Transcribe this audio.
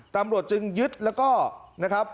ตำรวจจึงยึดแล้วก็นะครับ